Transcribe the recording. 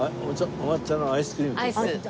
お抹茶のアイスクリームって事？